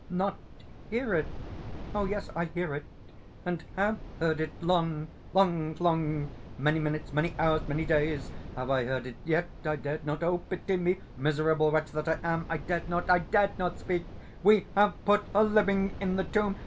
"Not hear it?—yes, I hear it, and have heard it. Long—long—long—many minutes, many hours, many days, have I heard it—yet I dared not—oh, pity me, miserable wretch that I am!—I dared not—I dared not speak! _We have put her living in the tomb!